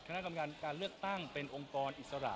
คณะกรรมการการเลือกตั้งเป็นองค์กรอิสระ